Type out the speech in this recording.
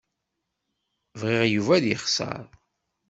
Bɣiɣ Yuba ad yexṣer.